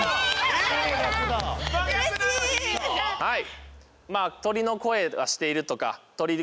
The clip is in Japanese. はい。